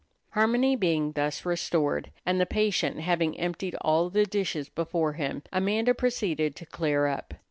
Harmony being thus restored, and the patient having emptied all the dishes before him, Amanda proceeded to clear up.